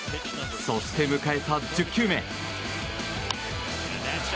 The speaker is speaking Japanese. そして、迎えた１０球目。